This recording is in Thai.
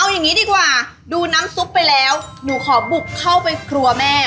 อย่างนี้ดีกว่าดูน้ำซุปไปแล้วหนูขอบุกเข้าไปครัวแม่